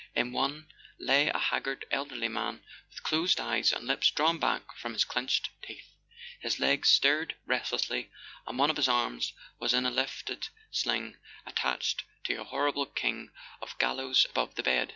In one lay a haggard elderly man with closed eyes and lips drawn back from his clenched teeth. His legs stirred restlessly, and one of his arms was in a lifted sling attached to a horrible kind of gallows above the bed.